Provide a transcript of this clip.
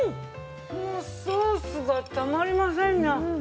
もうソースがたまりませんな。